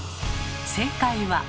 正解は？